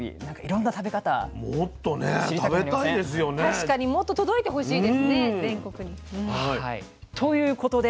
確かにもっと届いてほしいですね全国に。ということで。